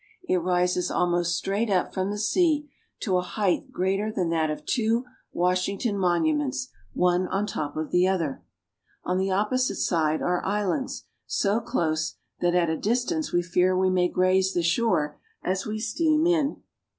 It rises almost straight up "We go in between two forts." from the sea to a height greater than that of two Wash ington monuments one on top of the other. On the op posite side are islands so close that at a distance we fear we may graze the shore as we steam in.